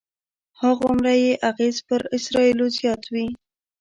هماغومره یې اغېز پر اسرایلو زیات وي.